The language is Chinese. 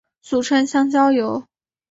俗称香蕉油。